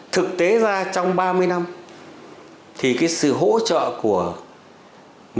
thực tế ra trong ba mươi năm